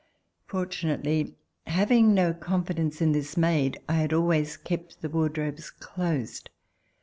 Fortunately, having no confi dence in this maid, I had always kept the wardrobes closed.